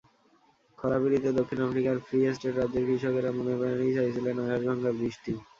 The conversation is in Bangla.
খরাপীড়িত দক্ষিণ আফ্রিকার ফ্রি স্টেট রাজ্যের কৃষকেরা মনেপ্রাণেই চাইছিলেন আকাশভাঙা বৃষ্টি।